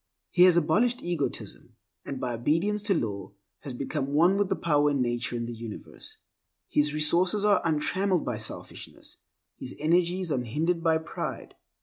He has abolished egotism, and, by obedience to law, has become one with the power in nature and the universe. His resources are untrammeled by selfishness; his energies unhindered by pride.